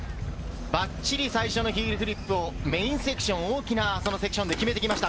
ばっちり、最初のヒールフリップをメインセクション、大きなセクションで決めてきました。